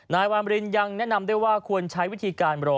นายวามรินยังแนะนำด้วยว่าควรใช้วิธีการรอ